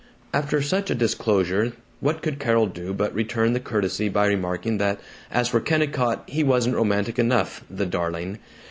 After such a disclosure what could Carol do but return the courtesy by remarking that as for Kennicott, he wasn't romantic enough the darling.